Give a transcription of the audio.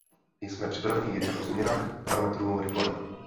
Jsme připraveni jednat o změnách parametrů reforem.